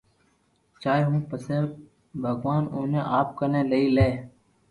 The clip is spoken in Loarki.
چاھي ھون پسي ڀگوان اوني آپ ڪني ليئي لي